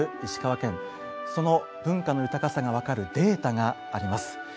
その文化の豊かさが分かるデータがあります。